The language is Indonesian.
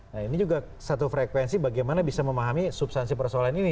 nah ini juga satu frekuensi bagaimana bisa memahami substansi persoalan ini